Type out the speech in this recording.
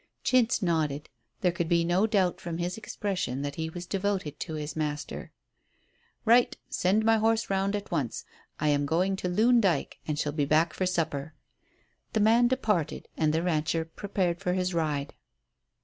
'" Chintz nodded. There could be no doubt from his expression that he was devoted to his master. "Right. Send my horse round at once. I am going to Loon Dyke, and shall be back for supper." The man departed, and the rancher prepared for his ride.